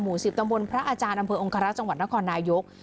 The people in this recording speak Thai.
๑๐ตำบลพระอาจารย์อำเภอองคารักษ์จังหวัดนครนายก